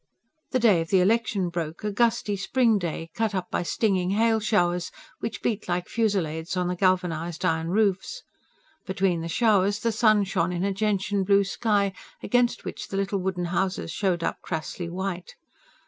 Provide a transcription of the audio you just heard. The day of the election broke, a gusty spring day cut up by stinging hail showers, which beat like fusillades on the galvanised iron roofs. Between the showers, the sun shone in a gentian blue sky, against which the little wooden houses showed up crassly white.